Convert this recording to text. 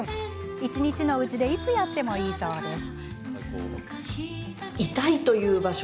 一日のうちでいつやってもいいそうです。